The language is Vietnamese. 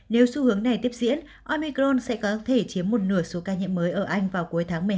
nếu xu hướng này tiếp diễn omicron sẽ có thể chiếm một nửa số ca nhiễm mới ở anh vào cuối tháng một mươi hai